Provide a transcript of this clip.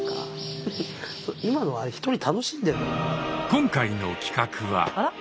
今回の企画は。